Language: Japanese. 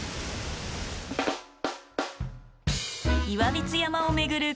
岩櫃山を巡る